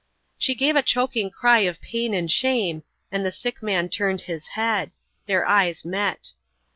She gave a choking cry of pain and shame, and the sick man turned his head. Their eyes met.